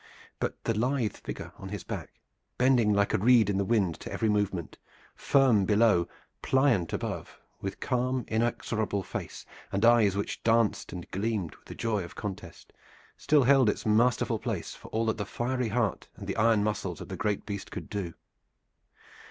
But the lithe figure on his back, bending like a reed in the wind to every movement, firm below, pliant above, with calm inexorable face, and eyes which danced and gleamed with the joy of contest, still held its masterful place for all that the fiery heart and the iron muscles of the great beast could do.